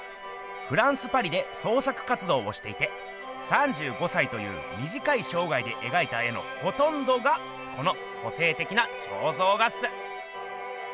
フランスパリで創作活動をしていて３５歳というみじかいしょうがいでえがいた絵のほとんどがこの個性的な肖像画っす。